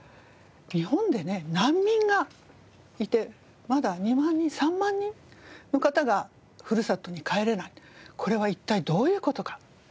日本でね難民がいてまだ２万人３万人の方がふるさとに帰れないこれは一体どういう事か。